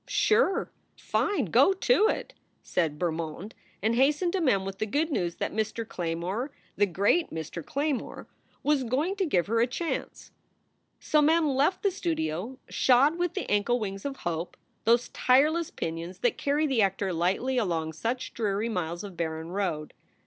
"Sure! Fine! Go to it!" said Bermond, and hastened to Mem with the good news that Mr. Claymore the great Mr. Claymore was going to give her a chance. So Mem left the studio shod with the ankle wings of hope, those tireless pinions that carry the actor lightly along such dreary miles of barren road.